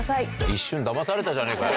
一瞬だまされたじゃねえかよ。